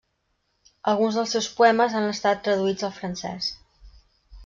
Alguns dels seus poemes han estat traduïts al francès.